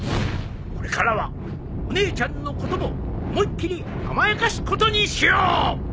これからはお姉ちゃんのことも思いっ切り甘やかすことにしよう！